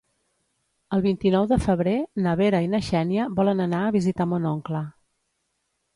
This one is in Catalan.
El vint-i-nou de febrer na Vera i na Xènia volen anar a visitar mon oncle.